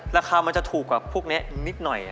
ราคามันจะถูกกว่าพวกนี้นิดหน่อย